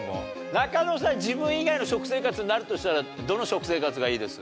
中野さん自分以外の食生活になるとしたらどの食生活がいいです？